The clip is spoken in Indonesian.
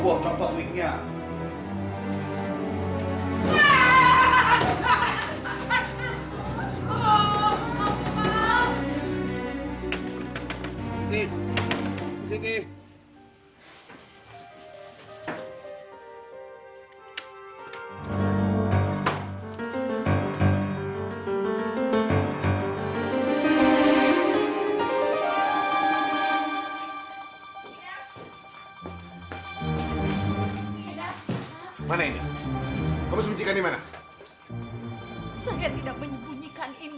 kalau gak buru diobatin